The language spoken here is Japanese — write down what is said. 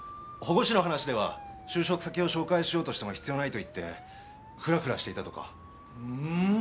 保護司の話では就職先を紹介しようとしても必要ないと言ってフラフラしていたとか。